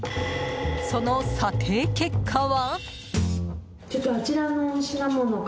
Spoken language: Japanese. その査定結果は。